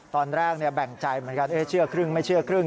ตอนแรกแบ่งใจเหมือนกันเชื่อครึ่งไม่เชื่อครึ่ง